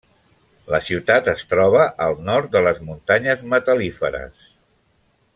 La ciutat es troba al nord de les Muntanyes Metal·líferes.